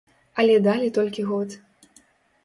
Але далі толькі год.